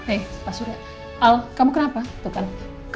oh sudah tak payah patung